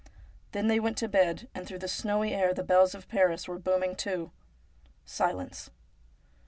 Then they went to bed, and through the snowy air the bells of Paris were booming two. Silence